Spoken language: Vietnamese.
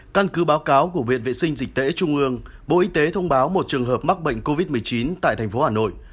căn cứ báo cáo của viện vệ sinh dịch tễ trung ương bộ y tế thông báo một trường hợp mắc bệnh covid một mươi chín tại thành phố hà nội